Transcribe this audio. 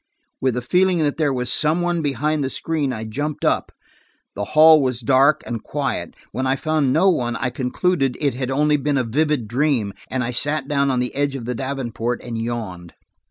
With the feeling that there was some one behind the screen, I jumped up. The hall was dark and quiet. When I found no one I concluded it had been only a vivid dream, and I sat down on the edge of the davenport and yawned.